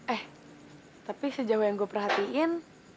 eh tapi sejauh yang gue perhatiin